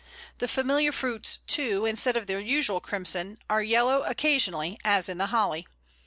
The familiar fruits, too, instead of their usual crimson, are yellow occasionally, as in the Holly.